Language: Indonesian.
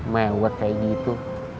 mewet kayak gitu